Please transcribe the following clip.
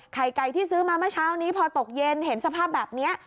ไข่ไก่ที่ซื้อมาเมื่อเช้านี้พอตกเย็นเห็นสภาพแบบนี้